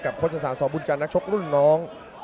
โฆษศาลสบุญจันทร์นักชกรุ่นน้อง